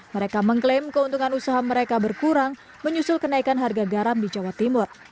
mereka mengklaim keuntungan usaha mereka berkurang menyusul kenaikan harga garam di jawa timur